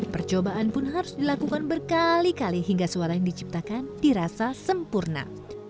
percobaan pun harus dilakukan berkali kali hingga suara yang diciptakan dirasa sempurna